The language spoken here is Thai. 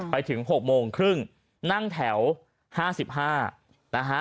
ไปถึง๖โมงครึ่งนั่งแถว๕๕นะฮะ